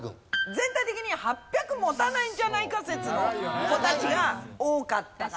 全体的に８００持たないんじゃないか説の子たちが多かったかな。